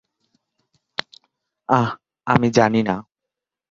আহ, আমি জানি না।